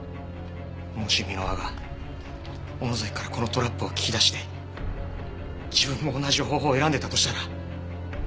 もし箕輪が尾野崎からこのトラップを聞き出して自分も同じ方法を選んでたとしたら。